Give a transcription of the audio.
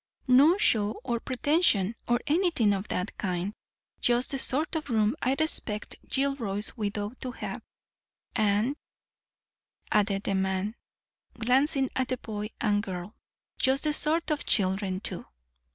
No show or pretension, or anything of that kind; just the sort of room I'd expect Gilroy's widow to have; and," added the man, glancing at the boy and girl, "just the sort of children too."